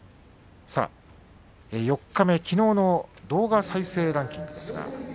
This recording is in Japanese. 四日目、きのうの動画再生ランキングです。